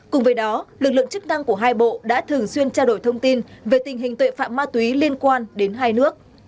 cùng với đó lực lượng chức năng của hai bộ đã thường xuyên trao đổi thông tin về tình hình tuệ phạm ma túy liên quan đến hai nước